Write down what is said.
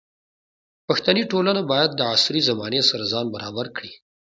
پښتني ټولنه باید د عصري زمانې سره ځان برابر کړي.